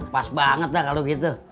pas banget lah kalau gitu